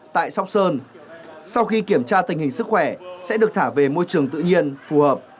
tại sóc sơn sau khi kiểm tra tình hình sức khỏe sẽ được thả về môi trường tự nhiên phù hợp